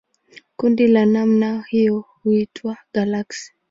Kundi la namna hiyo huitwa galaksi.